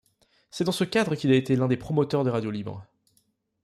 C'est dans ce cadre qu'il a été l'un des promoteurs des radios libres.